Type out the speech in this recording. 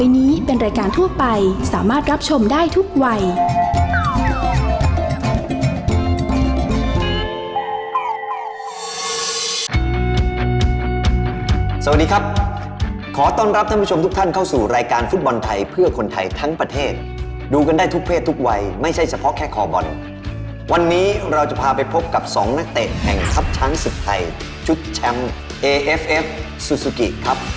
สวัสดีครับขอต้อนรับท่านผู้ชมทุกท่านเข้าสู่รายการฟุตบอลไทยเพื่อคนไทยทั้งประเทศดูกันได้ทุกเพศทุกวัยไม่ใช่เฉพาะแค่คอบอลวันนี้เราจะพาไปพบกับสองนักเตะแห่งทัพช้างศึกไทยชุดแชมป์เอเอฟเอฟซูซูกิครับ